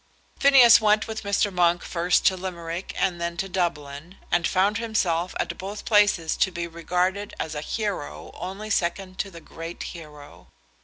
Phineas went with Mr. Monk first to Limerick and then to Dublin, and found himself at both places to be regarded as a hero only second to the great hero.